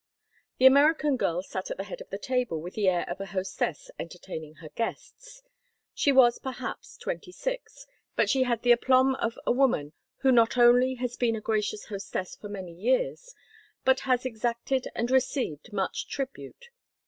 The American girl sat at the head of the table with the air of a hostess entertaining her guests. She was perhaps twenty six, but she had the aplomb of a woman who not only has been a gracious hostess for many years, but has exacted and received much tribute.